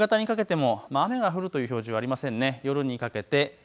ただ夕方にかけても雨が降るという表示はありませんね。